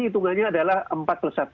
hitungannya adalah empat plus satu